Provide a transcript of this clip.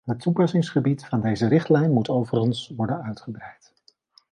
Het toepassingsgebied van deze richtlijn moet overigens worden uitgebreid.